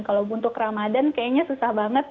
kalau untuk ramadan kayaknya susah banget